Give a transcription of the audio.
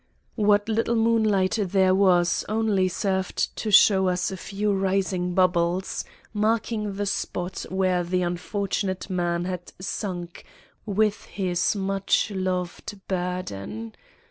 What little moonlight there was only served to show us a few rising bubbles, marking the spot where the unfortunate man had sunk with his much loved burden.